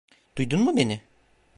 Duydun mu beni?